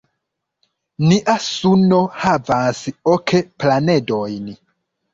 Nia suno havas ok planedojn.